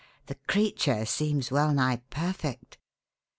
The creature seems well nigh perfect."